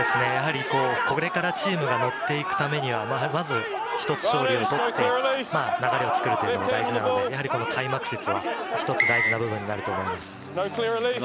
これからチームがのっていくためにはまず一つ勝利を取って、流れを作るっていうのが大事なので、開幕節は大事な部分になると思います。